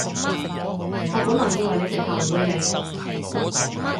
我本來以為你直頭唔會嚟